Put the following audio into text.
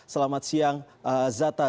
selamat siang zata